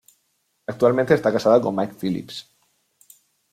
Actualmente esta casada con Mike Phillips.